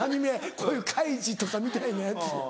こういう『カイジ』とかみたいなやつ。